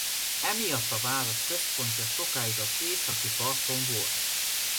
Emiatt a város központja sokáig az északi parton volt.